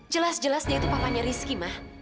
jelas jelas dia itu papanya rizky ma